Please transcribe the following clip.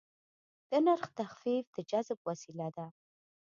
د نرخ تخفیف د جذب وسیله ده.